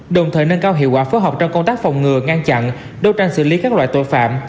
đồng thời nâng cao hiệu quả phối hợp trong công tác phòng ngừa ngăn chặn đấu tranh xử lý các loại tội phạm